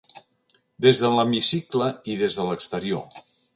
Des de l’hemicicle i des de l’exterior.